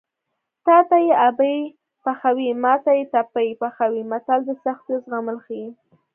تاته یې ابۍ پخوي ماته یې تبۍ پخوي متل د سختیو زغمل ښيي